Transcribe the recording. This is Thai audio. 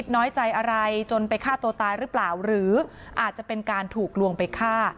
น้อยใจอะไรจนไปฆ่าตัวตายหรือเปล่าหรืออาจจะเป็นการถูกลวงไปฆ่า